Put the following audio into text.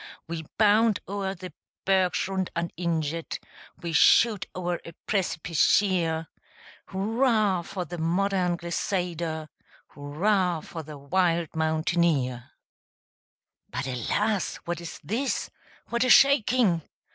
We bound o'er the bergschrund uninjured, We shoot o'er a precipice sheer; Hurrah, for the modern glissader! Hurrah, for the wild mountaineer! But, alas! what is this? what a shaking!